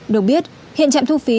được biết hiện trạm thu phí